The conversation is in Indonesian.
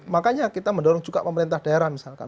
makanya kita mendorong juga pemerintah daerah misalkan